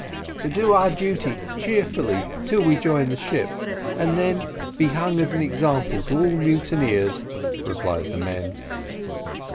"To do our duty cheerfully till we join the ship, and then be hung as an example to all mutineers," replied the men.